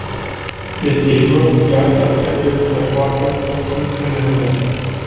Desigur, piața trebuie să poată să funcționeze.